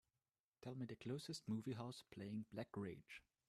Tell me the closest movie house playing Black Rage